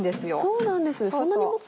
そうなんです。